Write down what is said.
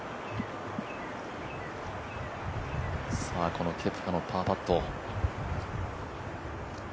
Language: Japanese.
このケプカのパーパット。